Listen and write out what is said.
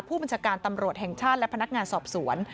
ผู้บัญชาการตำรวจแห่งชาติและพนักงานสอบสวน